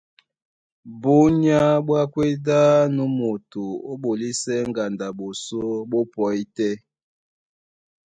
Búnyá ɓwá kwédí á nú moto ó ɓolisɛ ŋgando a ɓosó ɓó pɔí tɛ́,